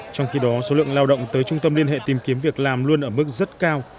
trong khi đó số lượng lao động tới trung tâm liên hệ tìm kiếm việc làm luôn ở mức rất cao